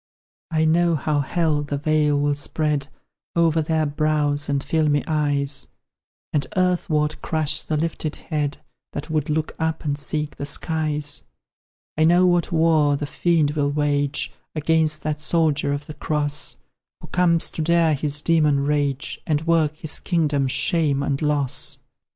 I know how Hell the veil will spread Over their brows and filmy eyes, And earthward crush the lifted head That would look up and seek the skies; I know what war the fiend will wage Against that soldier of the Cross, Who comes to dare his demon rage, And work his kingdom shame and loss.